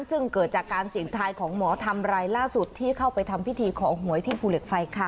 ซึ่งเกิดจากการเสี่ยงทายของหมอธรรมรายล่าสุดที่เข้าไปทำพิธีขอหวยที่ภูเหล็กไฟค่ะ